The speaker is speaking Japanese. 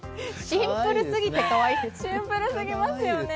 シンプルすぎて、可愛いですね。